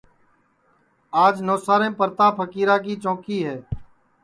آج نوساریم پرتاپ پھکیرا کی چونٚکی ہے